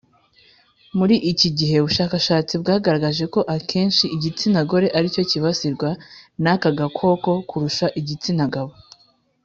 Muri iki gihe, ubushakashatsi bwagaragaje ko akenshi igitsina gore aricyo cyibasirwa n’aka gakoko kurusha igitsina gabo